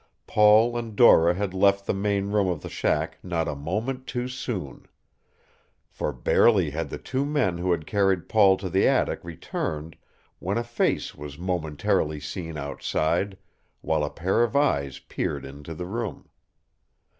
Paul and Dora had left the main room of the shack not a moment too soon. For barely had the two men who had carried Paul to the attic returned when a face was momentarily seen outside, while a pair of eyes peered into the room.